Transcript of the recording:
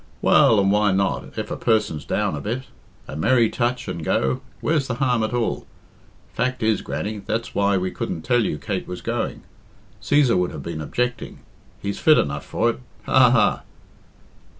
Well, and why not, if a person's down a bit? A merry touch and go where's the harm at all? Fact is, Grannie, that's why we couldn't tell you Kate was going. Cæsar would have been objecting. He's fit enough for it ha, ha, ha!"